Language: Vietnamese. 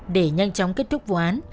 để nhanh chóng kết thúc vụ án